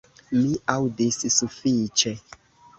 Mi aŭdis sufiĉe.